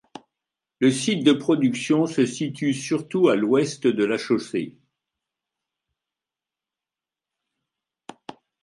Le site de production se situe surtout à l’ouest de la chaussée.